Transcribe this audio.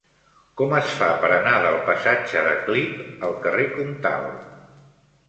Com es fa per anar del passatge de Clip al carrer Comtal?